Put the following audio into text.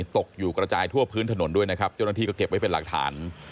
ตกอยู่กระจายทั่วพื้นถนนด้วยนะครับเจ้าหน้าที่ก็เก็บไว้เป็นหลักฐาน